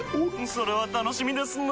それは楽しみですなぁ。